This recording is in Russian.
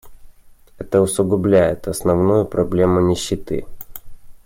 Это усугубляет основную проблему нищеты.